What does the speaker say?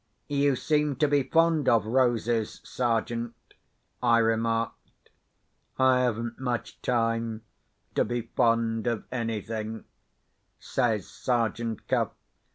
"You seem to be fond of roses, Sergeant?" I remarked. "I haven't much time to be fond of anything," says Sergeant Cuff.